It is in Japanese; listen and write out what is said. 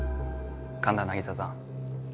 神田凪沙さん。